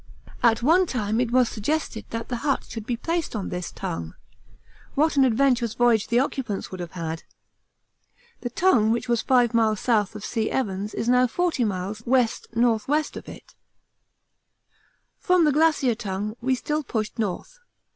At one time it was suggested that the hut should be placed on this Tongue. What an adventurous voyage the occupants would have had! The Tongue which was 5 miles south of C. Evans is now 40 miles W.N.W. of it. From the Glacier Tongue we still pushed north.